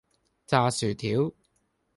炸薯條